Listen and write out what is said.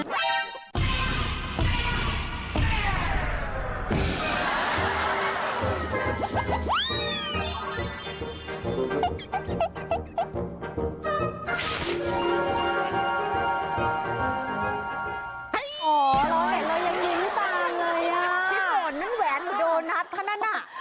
ที่ส่วนนั้นแหวนโดนัทขนาดนั้นอ่ะ